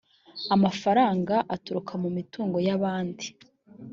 amafaranga aturuka mumitungo y’abandi